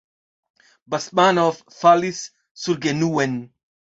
Basmanov falis surgenuen.